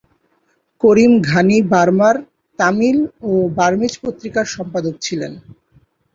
করিম ঘানি বার্মার তামিল ও বার্মিজ পত্রিকার সম্পাদক ছিলেন।